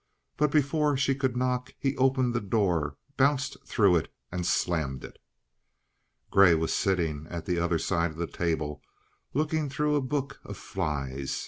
Before she could knock, he opened the door, bounced through it, and slammed it. Grey was sitting at the other side of the table, looking through a book of flies.